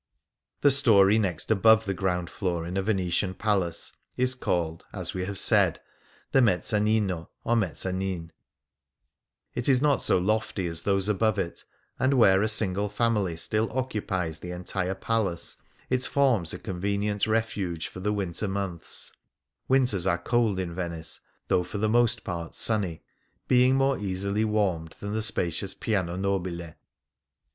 The story next above the ground floor in a Venetian palace is called, as we have said, the mezzanino, or viezzanin ; it is not so lofty as those above it, and where a single ■* ITie Rezzonico is anotlier. 46 The Grand Canal family still occupies the entire palace, it forms a convenient refuge for the winter months (winters are cold in Venice, though for the most part sunny), being more easily warmed than the spacious piano noh'ile.